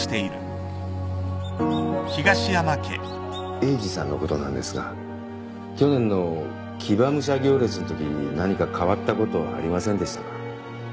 栄治さんのことなんですが去年の騎馬武者行列のときに何か変わったことありませんでしたか？